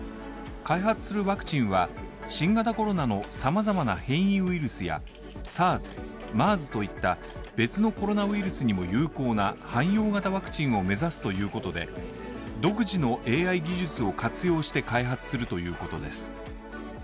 開発するワクチンは、新型コロナのさまざまな変異ウイルスやＳＡＲＳ、ＭＥＲＳといった別のコロナウイルスにも有効な汎用型ワクチンを目指すということで独自のＡＩ技術を活用して開発するということです。